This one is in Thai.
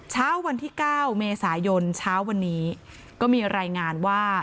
เช้าวันที่๙เมษายนเช้าวันนี้ก็มีรายงานว่า